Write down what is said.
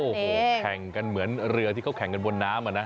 โอ้โหแข่งกันเหมือนเรือที่เขาแข่งกันบนน้ำอ่ะนะ